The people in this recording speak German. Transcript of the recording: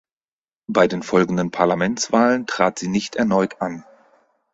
Bei den folgenden Parlamentswahlen trat sie nicht erneut an.